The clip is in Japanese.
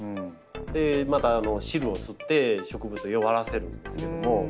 また汁を吸って植物を弱らせるんですけども。